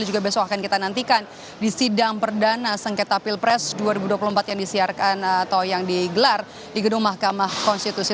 dan juga besok akan kita nantikan di sidang perdana sengketa pilpres dua ribu dua puluh empat yang digelar di gedung mahkamah konstitusi